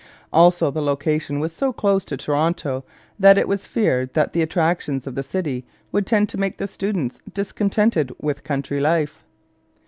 Also the location was so close to Toronto that it was feared that the attractions of the city would tend to make the students discontented with country life.